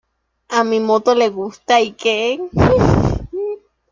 A mi moto le gusta Ike.